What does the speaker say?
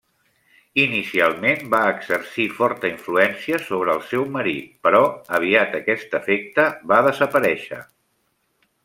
Inicialment va exercir forta influència sobre el seu marit però aviat aquest efecte va desaparèixer.